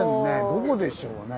どこでしょうね。